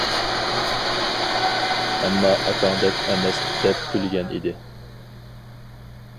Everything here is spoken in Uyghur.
ئەمما ئاكاڭدەك ئەمەس دەپ كۈلگەن ئىدى.